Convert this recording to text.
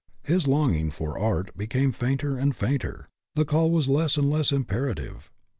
His longing for art became fainter and fainter; the call was less and less imperative.